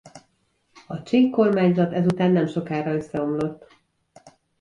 A Csing kormányzat ezután nemsokára összeomlott.